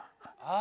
あ！